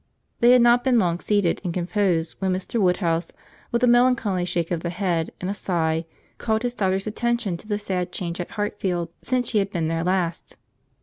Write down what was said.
They had not been long seated and composed when Mr. Woodhouse, with a melancholy shake of the head and a sigh, called his daughter's attention to the sad change at Hartfield since she had been there last.